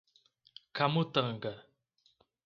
Camutanga